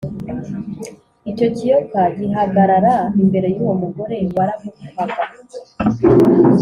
. Icyo kiyoka gihagarara imbere y’uwo mugore waramukwaga,